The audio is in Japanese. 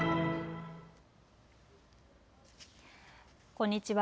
こんにちは。